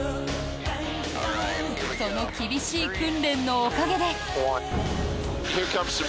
その厳しい訓練のおかげで。